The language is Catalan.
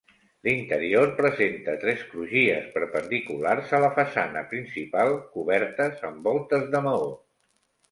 L'interior presenta tres crugies perpendiculars a la façana principal cobertes amb voltes de maó.